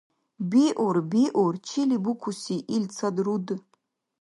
Биур, биур! Чили букуси илцад руд?